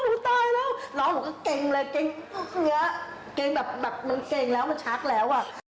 น้องหนูก็เกร็งเลยเกร็งแบบมันเกร็งแล้วมันชักแล้ว